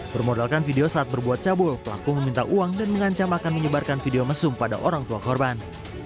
bermodalkan video saat berbuat cabul pelaku meminta uang dan mengancam akan menyebarkan video mesum pada orang tua korban